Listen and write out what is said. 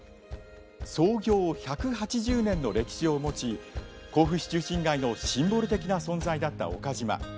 創業１８０年の歴史を持ち甲府市中心街のシンボル的な存在だった岡島。